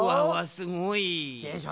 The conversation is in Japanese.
すごい。でしょ？